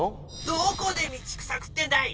「どこで道草食ってんだい！」。